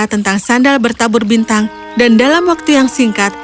tentang sandal bertabur bintang dan dalam waktu yang singkat